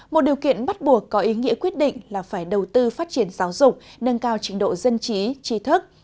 một điều kiện bắt buộc có ý nghĩa quyết định là phải đầu tư phát triển giáo dục nâng cao trình độ dân trí trí thức